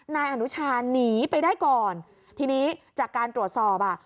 นายอนุชาหนีไปได้ก่อนทีนี้จากการตรวจสอบอ่ะ